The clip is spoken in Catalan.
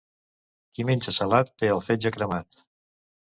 Qui menja salat té el fetge cremat.